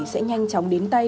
sẽ nhanh chóng đến tay